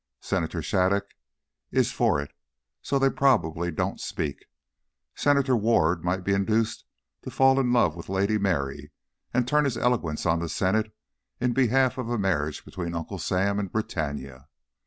Senator Shattuc is for it, so they probably don't speak. Senator Ward might be induced to fall in love with Lady Mary and turn his eloquence on the Senate in behalf of a marriage between Uncle Sam and Britannia.